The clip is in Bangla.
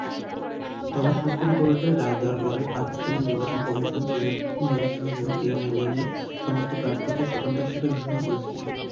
তবে সুপ্রিম কোর্টের রায় দেওয়ার পরে পাকিস্তানের নির্বাচন কমিশন সিনেট নির্বাচনের জন্য পিএমএল-এনের সমস্ত প্রার্থীকে স্বতন্ত্র হিসাবে ঘোষণা করেছিল।